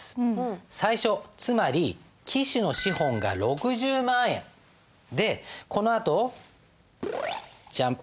最初つまり期首の資本が６０万円でこのあとジャン。